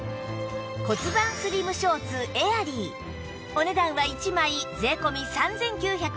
骨盤スリムショーツエアリーお値段は１枚税込３９８０円